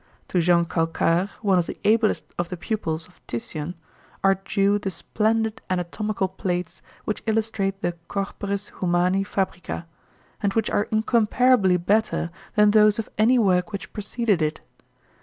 To Jean Calcar, one of the ablest of the pupils of Titian, are due the splendid anatomical plates which illustrate the "Corporis Humani Fabrica," and which are incomparably better than those of any work which preceded it.